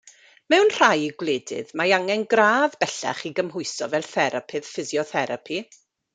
Mewn rhai gwledydd, mae angen gradd bellach i gymhwyso fel therapydd ffisiotherapi.